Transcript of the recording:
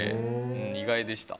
意外でした。